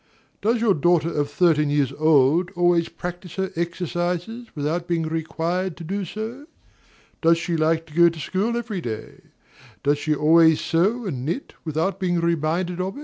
Does your daughter of thirteen years old always practise her exercises without being required to do so? Does she like to go to school every day? Does she always sew and knit without being reminded of it? MRS.